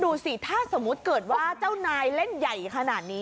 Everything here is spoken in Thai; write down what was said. ดูสิถ้าสมมุติเกิดว่าเจ้านายเล่นใหญ่ขนาดนี้